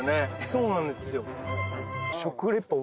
そうなんですよ